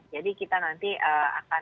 jadi kita nanti akan melakukan